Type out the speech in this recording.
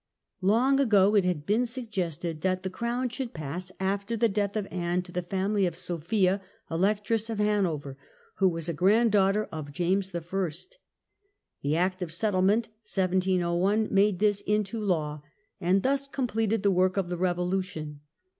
Long ago it had been suggested that the crown should pass, after the death of Anne, to the family of Sophia, Electress of Hanover, who was a granddaughter oif James I.^ The Act of Settlement (1701) made this into law, and thus completed the work of the Revolution.